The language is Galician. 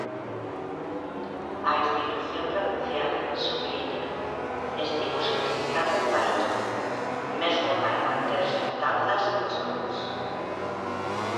A institución provincial, subliña, "estívose utilizando para todo, mesmo para manter xuntanzas cos clubs".